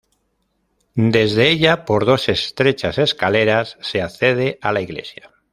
Desde ella por dos estrechas escaleras se accede a la iglesia.